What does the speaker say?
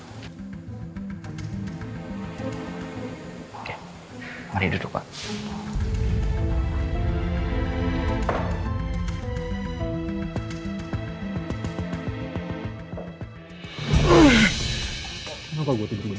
oke mari duduk pak